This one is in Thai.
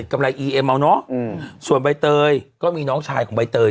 กรอีเอ็มเอาเนอะส่วนใบเตยก็มีน้องชายของใบเตย